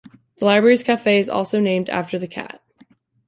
The Library's cafe is also named after the cat.